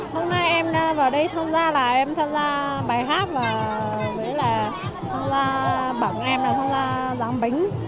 hôm nay em vào đây tham gia là em tham gia bài hát và bà con em là tham gia dán bánh